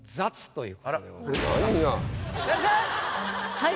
はい。